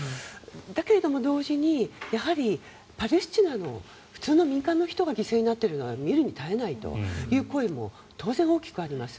だけれども同時にパレスチナの普通の民間の人が犠牲になっているのは見るに堪えないという声も当然大きくあります。